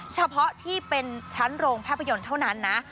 เฉพาะที่เป็นชั้นโรงภาพยนตร์เท่านั้นนะ